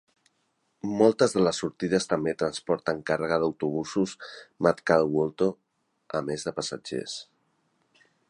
Moltes de les sortides també transporten càrrega d'autobusos Matkahuolto a més de passatgers.